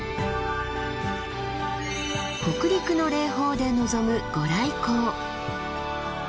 北陸の霊峰で望む御来光。